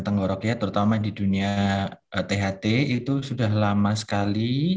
terutama di dunia tht itu sudah lama sekali